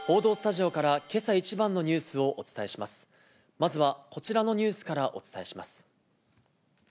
まずはこちらのニュースからお伝えします。